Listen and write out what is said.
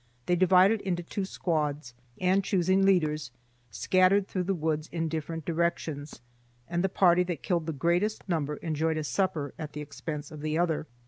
They divided into two squads, and, choosing leaders, scattered through the woods in different directions, and the party that killed the greatest number enjoyed a supper at the expense of the other.